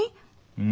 うん。